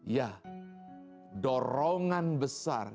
ya dorongan besar